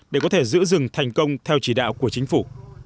để có thể giữ rừng thành công theo chỉ đạo của chính phủ